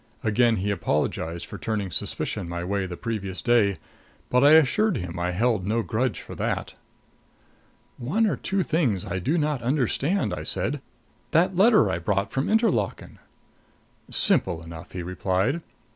Again he apologized for turning suspicion my way the previous day; but I assured him I held no grudge for that. "One or two things I do not understand," I said. "That letter I brought from Interlaken " "Simple enough," he replied.